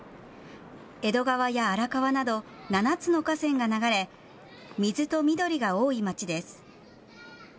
江戸川や荒川など７つの河川が流れ、水と緑が多い町です。